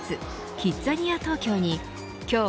キッザニア東京に今日